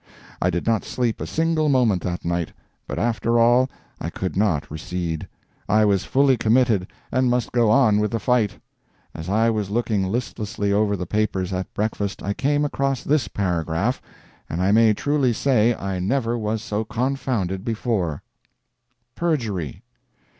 I did not sleep a single moment that night. But after all, I could not recede. I was fully committed and must go on with the fight. As I was looking listlessly over the papers at breakfast, I came across this paragraph, and I may truly say I never was so confounded before: PERJURY.